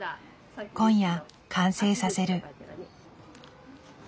今夜完成させる。